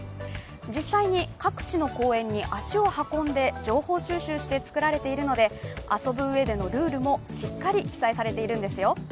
実際に各地の公園に足を運んで情報収集して作られているので遊ぶ上でのルールもしっかり記載されているんですよ。